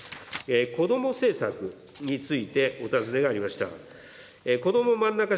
子ども政策についてお尋ねがありました。